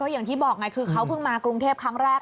อย่างที่บอกไงคือเขาเพิ่งมากรุงเทพครั้งแรก